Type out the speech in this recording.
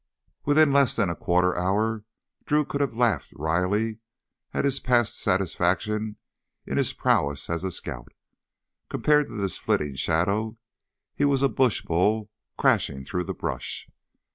Within less than a quarter hour Drew could have laughed wryly at his past satisfaction in his prowess as a scout. Compared to this flitting shadow he was a bush bull crashing through the brush.